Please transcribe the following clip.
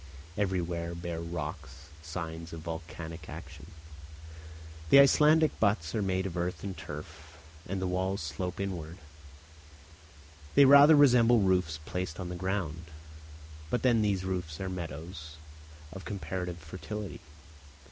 Everywhere bare rocks, signs of volcanic action. The Icelandic huts are made of earth and turf, and the walls slope inward; they rather resemble roofs placed on the ground. But then these roofs are meadows of comparative fertility.